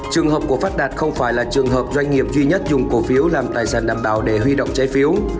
trường hợp của phát đạt không phải là trường hợp doanh nghiệp duy nhất dùng cổ phiếu làm tài sản đảm bảo để huy động trái phiếu